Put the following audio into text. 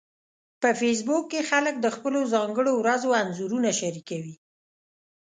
په فېسبوک کې خلک د خپلو ځانګړو ورځو انځورونه شریکوي